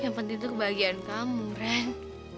yang penting tuh kebahagiaan kamu ran